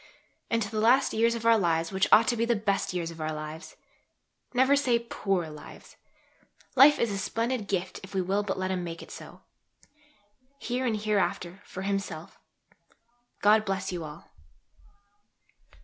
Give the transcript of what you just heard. and to the last years of our lives which ought to be the best years of our lives. Never say "poor lives." Life is a splendid gift if we will but let Him make it so, here and hereafter, for Himself. God bless you all.